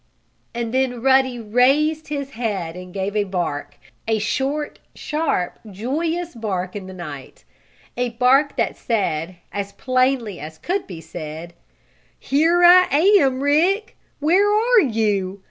And then Ruddy raised his head and gave a bark a short, sharp joyous bark in the night. A bark that said, as plainly as could be said: "Here I am, Rick! Where are you!